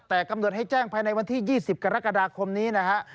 แต่กำหนดให้แจ้งภายในวันที่๒๐กรกฎาคมนี้นะฮะ